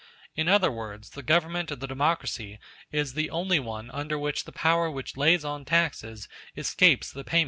In other words, the government of the democracy is the only one under which the power which lays on taxes escapes the payment of them.